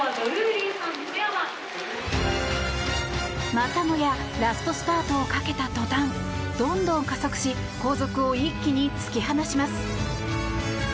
またもやラストスパートをかけた途端ドンドン加速し後続を一気に突き放します。